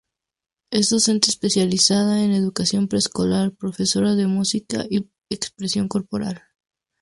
Es docente especializada en Educación Preescolar, profesora de música y expresión corporal.